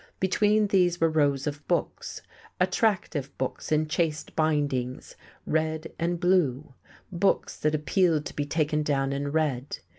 Between these were rows of books, attractive books in chased bindings, red and blue; books that appealed to be taken down and read.